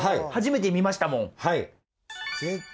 初めて見ましたもん。